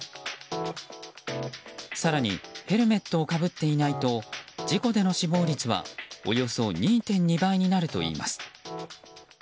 更にヘルメットをかぶっていないと事故での死亡率はおよそ２．２倍になるといいます。